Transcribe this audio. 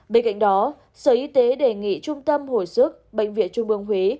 do đó sở y tế đề nghị trung tâm hồi sức bệnh viện trung bương huế